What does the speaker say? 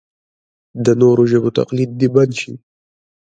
د نورو ژبو تقلید دې بند شي.